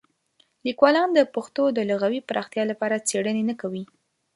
لیکوالان د پښتو د لغوي پراختیا لپاره څېړنې نه کوي.